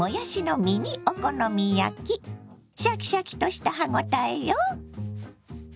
シャキシャキとした歯応えよ。